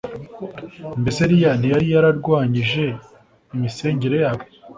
Mbese Eliya ntiyari yararwanyije imisengere yabo